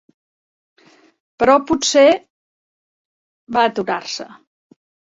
"Però potser...", va aturar-se.